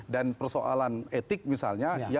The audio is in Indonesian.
dan persoalan etik misalnya